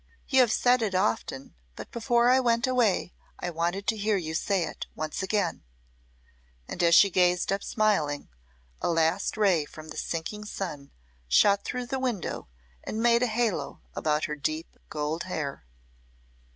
"You have said it often; but before I went away I wanted to hear you say it once again," and as she gazed up smiling, a last ray from the sinking sun shot through the window and made a halo about her deep gold hair.